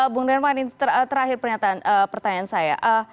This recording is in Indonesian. bung dermanin terakhir pertanyaan saya